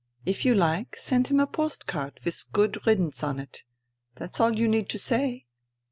If you like, send him a post card with ' Good riddance ' on it. That's all you need say."